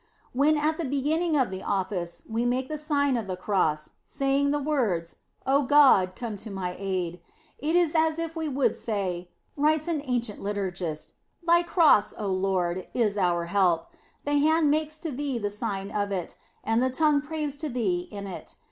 " When at the beginning of the Office we make the Sign of the Cross, saying the words, O God, come to my aid, it is as if we would say," writes an ancient liturgist, "thy Cross, O Lord, is our help; the hand makes to thee the Sign of it, and the tongue prays to thee in it.